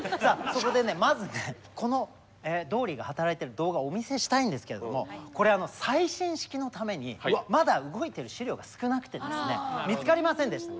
そこでねまずこのドーリーが働いてる動画をお見せしたいんですけれどもこれ最新式のためにまだ動いてる資料が少なくてですね見つかりませんでした。